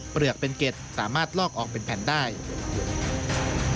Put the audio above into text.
เปลือกเป็นเก็ดสามารถลอกออกเป็นแผ่นได้